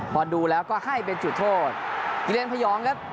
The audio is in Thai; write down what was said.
พอดูแล้วก็ให้เป็นจุดโทษกิเรียนพยองครับ